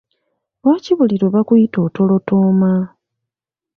Lwaki buli lwe bakuyita otolotooma?